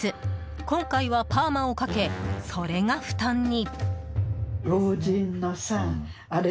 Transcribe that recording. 今回はパーマをかけそれが負担に。